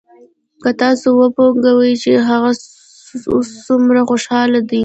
که تاسو وپويېګئ چې هغه اوس سومره خوشاله دى.